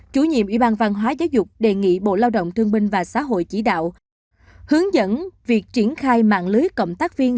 chủ nhiệm ủy ban văn hóa giáo dục đề nghị bộ lao động thương binh và xã hội chỉ đạo hướng dẫn việc triển khai mạng lưới cộng tác viên